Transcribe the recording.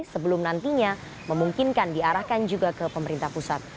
sebelum nantinya memungkinkan diarahkan juga ke pemerintah pusat